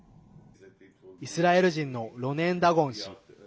イスラエル人のロネン・ダゴン氏。